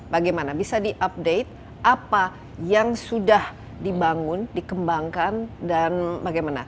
bagaimana bisa diupdate apa yang sudah dibangun dikembangkan dan bagaimana